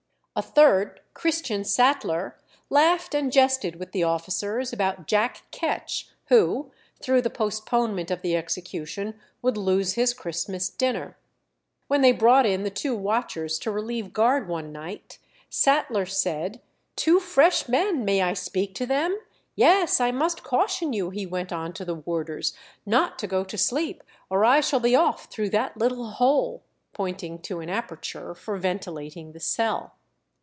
A third, Christian Sattler, laughed and jested with the officers about "Jack Ketch," who, through the postponement of the execution, would lose his Christmas dinner. When they brought in the two watchers to relieve guard one night, Sattler said, "Two fresh men! May I speak to them? Yes! I must caution you," he went on to the warders, "not to go to sleep, or I shall be off through that little hole," pointing to an aperture for ventilating the cell.